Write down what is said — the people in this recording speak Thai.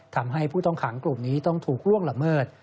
ทำให้ผู้ต้องขังกลุ่มนี้ต้องถูกล่วงละเมิด